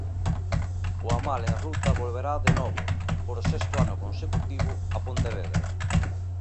O Amal en Ruta volverá de novo, por sexto ano consecutivo, a Pontevedra.